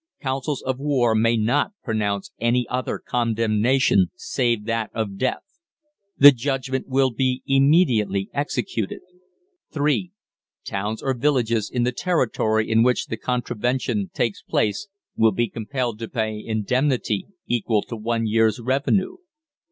Councils of War may not pronounce ANY OTHER CONDEMNATION SAVE THAT OF DEATH. THE JUDGMENT WILL BE IMMEDIATELY EXECUTED. (3) TOWNS OR VILLAGES in the territory in which the contravention takes place will be compelled to pay indemnity equal to one year's revenue.